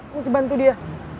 ngusip bantu dia